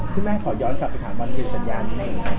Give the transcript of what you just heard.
ค่ะอืมพี่แม่ขอย้อนค่ะไปถามวันเก็บสัญญาณที่นี่